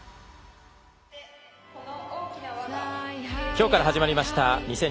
今日から始まりました